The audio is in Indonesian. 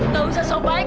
kamu bisa selangis